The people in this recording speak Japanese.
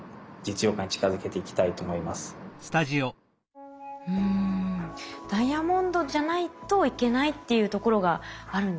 うんダイヤモンドじゃないといけないっていうところがあるんですね。